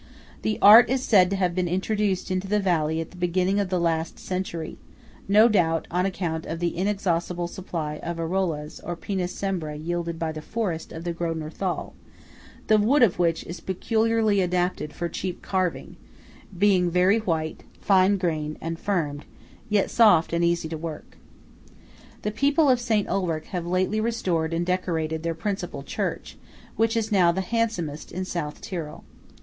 The art is said to have been introduced into the valley at the beginning of the last century; no doubt, on account of the inexhaustible supply of arollas, or Pinus Cembra, yielded by the forests of the Grödner Thal, the wood of which is peculiarly adapted for cheap carving, being very white, fine grained, and firm, yet soft and easy to work. The people of St. Ulrich have lately restored and decorated their principal church, which is now the handsomest in South Tyrol.